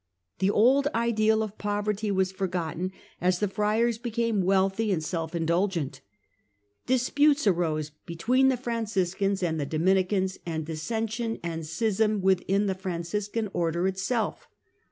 The old ideal of poverty was forgotten, as the friars became wealthy and self indulgent. Disputes arose between the Franciscans and the Dominicans, and dissension and schism within the Franciscan Order itself.